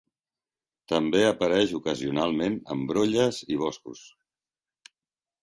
També apareix ocasionalment en brolles i boscos.